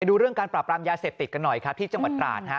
ดูเรื่องการปราบรามยาเสพติดกันหน่อยครับที่จังหวัดตราดฮะ